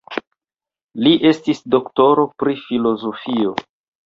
Li estis doktoro pri filozofio.